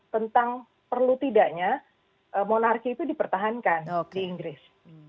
tentang perlu tidaknya monarki itu dipertahankan di inggris